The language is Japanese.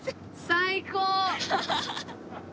最高！